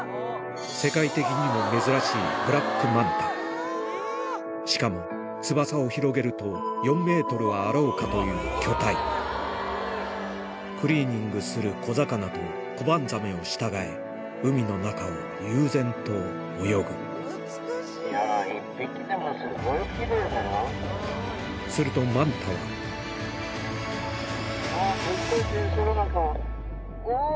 世界的にも珍しいしかも翼を広げると４ｍはあろうかという巨体クリーニングする小魚とコバンザメを従え海の中を悠然と泳ぐするとマンタはおぉ！